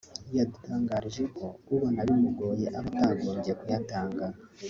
yadutangarije ko ubona bimugoye aba atagombye kuyatanga